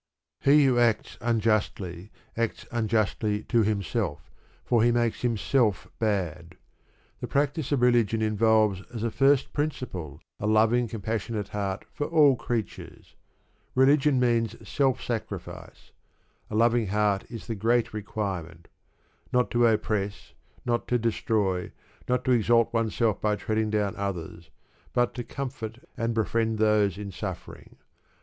He who acts unjustly acts unjustly to himself, for he makes himself bad. The practice of religion involves as a first principle a loving compassionate heart for all creatures. Religion means self sacrifice. A loving heart is the great requirement: not to oppress, not to destroy, not to exalt oneself by treading down others; but to comfort and befriend those in suffering.